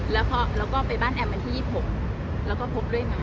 แล้วก็ไปบ้านแอมวันที่๒๖แล้วก็พบด้วยนะ